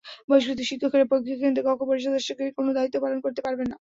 বহিষ্কৃত শিক্ষকেরা পরীক্ষা কেন্দ্রে কক্ষ পরিদর্শকের কোনো দায়িত্ব পালন করতে পারবেন না।